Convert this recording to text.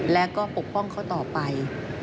และก็ปกป้องเขาต่อไป